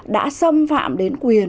đã xâm phạm đến quyền